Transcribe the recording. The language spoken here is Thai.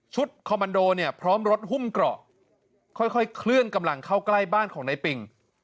คอมมันโดเนี่ยพร้อมรถหุ้มเกราะค่อยเคลื่อนกำลังเข้าใกล้บ้านของนายปิง